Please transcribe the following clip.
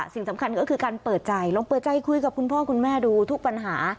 สิ่งสำคัญก็คือการเปิดใจลองเปิดใจคุยกับคุณพ่อคุณแม่ดูทุกปัญหา